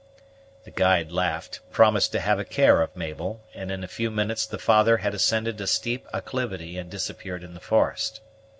The guide laughed, promised to have a care of Mabel, and in a few minutes the father had ascended a steep acclivity and disappeared in the forest.